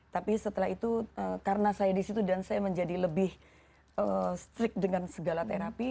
tapi setelah itu karena saya disitu dan saya menjadi lebih strict dengan segala terapi